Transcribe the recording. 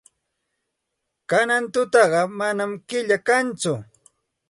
Kanan tutaqa manam killa kanchu.